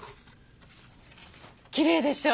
きれいでしょ。